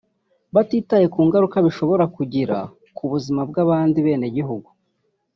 batitaye ku ngaruka bishobora kugira ku buzima bw’abandi benegihugu